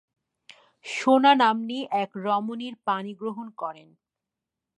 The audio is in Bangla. শোনা নাম্নী এক রমণীর পাণিগ্রহণ করেন।